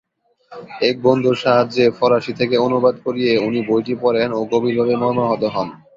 এক বন্ধুর সাহায্যে ফরাসি থেকে অনুবাদ করিয়ে উনি বইটি পড়েন ও গভীরভাবে মর্মাহত হন।